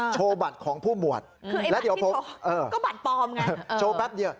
โชว์บัตรของผู้หมวดก็บัตรปลอมไงโชว์แป๊บเดียว